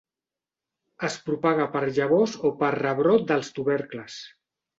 Es propaga per llavors o per rebrot dels tubercles.